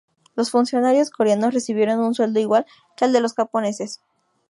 Los funcionarios coreanos recibieron un sueldo igual que al de los japoneses.